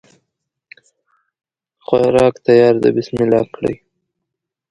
خوراک تیار ده بسم الله کړی